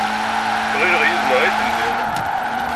Ɣileɣ yid-neɣ ay telliḍ.